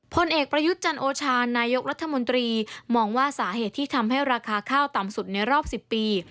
พลเอกประยุทธ์จันโอชานายกรัฐมนตรีมองว่าสาเหตุที่ทำให้ราคาข้าวต่ำสุดในรอบ๑๐ปี